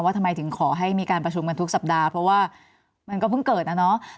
ทำไมถึงขอให้มีการประชุมกันทุกสัปดาห์เพราะว่ามันก็เพิ่งเกิดนะเนาะ